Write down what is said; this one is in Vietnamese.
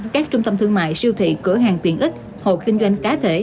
các trung tâm thương mại siêu thị cửa hàng tiện ích hộ kinh doanh cá thể